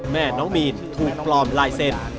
แม่น้องมีนถูกปลอมลายเซ็นต์